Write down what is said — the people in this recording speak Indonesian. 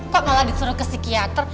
kok malah disuruh ke psikiater